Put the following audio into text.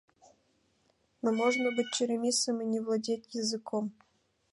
Но можно быть черемисином и не владеть языком.